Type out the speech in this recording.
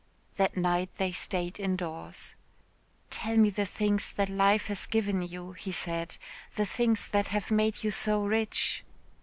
That night they stayed indoors. "Tell me the things that life has given you," he said, "the things that have made you so rich."